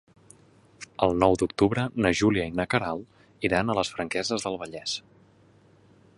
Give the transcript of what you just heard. El nou d'octubre na Júlia i na Queralt iran a les Franqueses del Vallès.